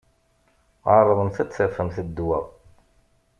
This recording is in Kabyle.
Ɛeṛḍemt ad tafemt ddwa.